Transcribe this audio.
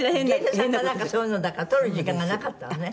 芸者さんかなんかそういうのだから取る時間がなかったのね。